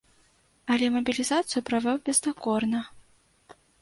Але мабілізацыю правёў бездакорна.